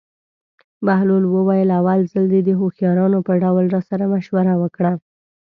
بهلول وویل: اول ځل دې د هوښیارانو په ډول راسره مشوره وکړه.